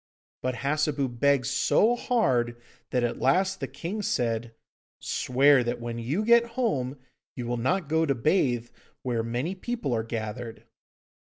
But Hassebu begged so hard that at last the king said, 'Swear that when you get home you will not go to bathe where many people are gathered.